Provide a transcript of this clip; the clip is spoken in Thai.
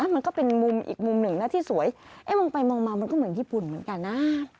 มันก็เป็นมุมอีกมุมหนึ่งนะที่สวยมองไปมองมามันก็เหมือนญี่ปุ่นเหมือนกันนะ